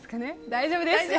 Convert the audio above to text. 大丈夫です！